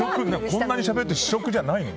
こんなにしゃべって試食じゃないの？